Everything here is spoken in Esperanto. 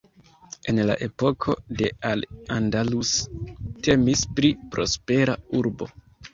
En la epoko de Al Andalus temis pri prospera urbo.